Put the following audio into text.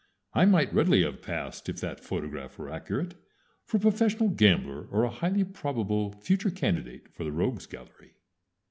I might readily have passed, if that photograph were accurate, for a professional gambler, or a highly probable future candidate for the Rogues' Gallery.